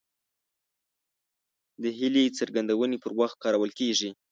د هیلې څرګندونې پر وخت کارول کیږي.